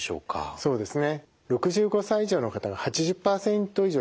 そうですね。